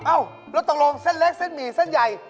แล้วตกลงเส้นเล็กเส้นหมี่เส้นใหญ่